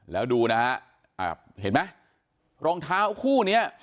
แล้วดูนะฮะเห็นไหมรองเท้าคู่เนี้ย